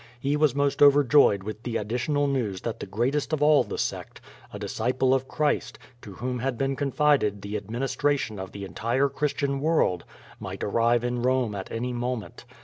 He was most overjoyed with the ad ditional news that the greatest of all the sect, a disciple of Christ, to whom had been confided the administration of the entire Christian world, might arrive in Rome at any moment.